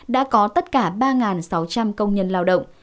đã có tất cả ba sáu trăm linh công nhân lao động